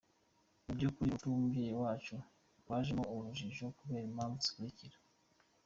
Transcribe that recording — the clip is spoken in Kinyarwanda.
Mu by’ukuri urupfu rw’umubyeyi wacu rwajemo urujijo kubera impamvu zikurikira: